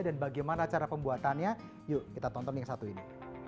dan bagaimana cara pembuatannya yuk kita tonton yang satu ini